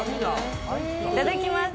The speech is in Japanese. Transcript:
いただきます。